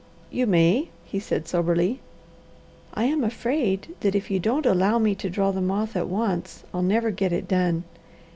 "You may," he said soberly. "I am afraid that if you don't allow me to draw the moth at once, I'll never get it done.